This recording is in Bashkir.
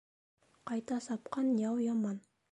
Ҡайта сапҡан яу яман